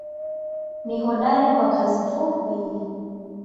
Ni hodari kwa kazi fupi.